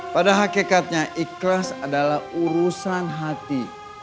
pada hakikatnya ikhlas adalah urusan hati